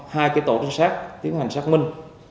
hai cái tổ chính xác tiến hành xác minh